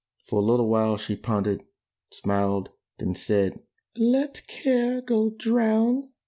For a little while she pondered: Smiled: then said, "Let care go drown!"